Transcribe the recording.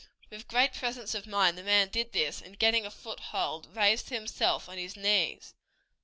With great presence of mind the man did this, and getting a foothold, raised himself on his knees.